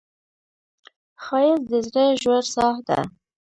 ښایست د زړه ژور ساه ده